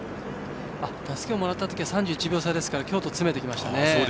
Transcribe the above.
たすきをもらった時は３１秒差ですから京都、詰めてきましたね。